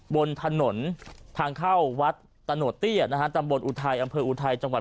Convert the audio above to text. บนถนนทางเข้าวัดตะโหดเตี้ยนะฮะตำบลอุทัยอำเภออุทัยจังหวัด